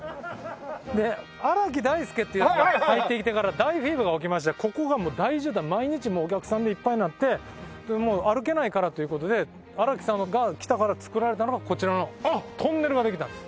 で荒木大輔っていうのが入ってきてから大フィーバーが起きましてここが大渋滞毎日お客さんでいっぱいになって歩けないからという事で荒木さんが来たから造られたのがこちらのトンネルができたんです。